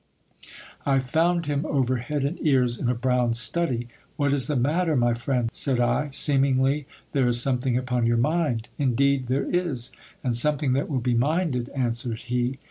I found him over head and ears in a brown study. What is the matter, my friend ? said I, seemingly there is something upon your mind. Indeed there s ; and something that will be minded, answered he.